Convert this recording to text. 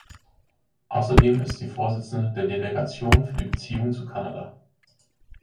Außerdem ist sie Vorsitzende der Delegation für die Beziehungen zu Kanada.